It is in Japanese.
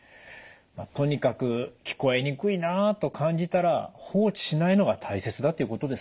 とにかく聞こえにくいなと感じたら放置しないのが大切だということですね。